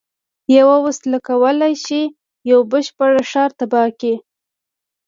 یوه وسله کولای شي یو بشپړ ښار تباه کړي